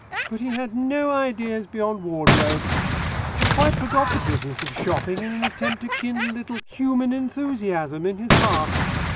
But he had no ideas beyond wardrobes. I quite forgot the business of shopping in an attempt to kindle a little human enthusiasm in his heart.